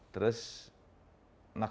terus nakhoda ada di bawah